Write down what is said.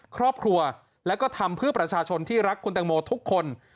ครอบครัวและก็ทำเพื่อประชาชนที่รักคุณตังโมทุกคน